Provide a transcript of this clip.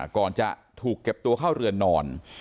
ก่อนจะถูกเก็บตัวเข้าเรือนนอน